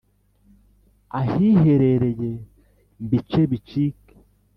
ahiherereye mbice bicike